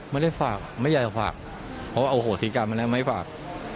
ไม่ได้ฝากไม่อยากจะฝากเพราะว่าโอโหสิกรรมมาแล้วไม่ฝาก